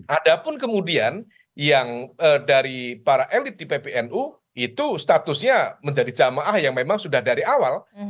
ada pun kemudian yang dari para elit di ppnu itu statusnya menjadi jamaah yang memang sudah dari awal